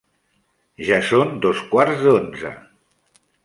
Ja són dos quarts d'onze.